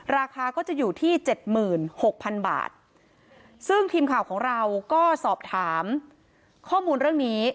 ราคาก็จะอยู่ที่เจ็ดหมื่นหกพันบาทซึ่งทีมข่าวของเราก็สอบถามข้อมูลเรื่องนี้